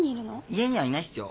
家にはいないっすよ。